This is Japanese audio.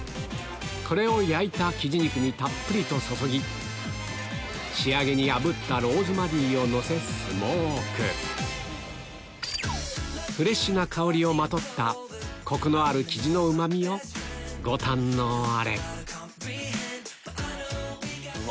これを焼いた雉肉にたっぷりと注ぎ仕上げにあぶったローズマリーをのせスモークフレッシュな香りをまとったコクのある雉のうま味をご堪能あれうわ！